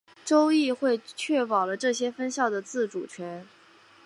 州议会确保了这些分校的自主权。